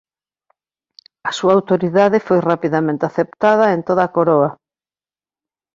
A súa autoridade foi rapidamente aceptada en toda a Coroa.